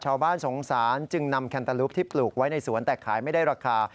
ชาวบ้านสงสารจึงนำแคนเตอร์ลูปที่ปลูกไว้ในสวนแต่ขายไม่ได้ราคา